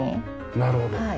なるほど。